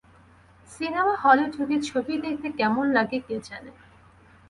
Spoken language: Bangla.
সিনেমা হলে ঢুকে ছবি দেখতে কেমন লাগে কে জানে!